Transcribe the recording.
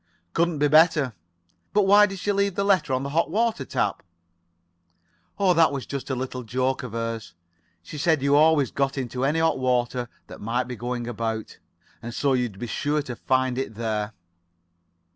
"Couldn't be better. But why did she leave the letter on the hot water tap?" "Oh, that was just a little joke of hers. She said you always got into any hot water that might be going about, and so you'd be sure to find it there."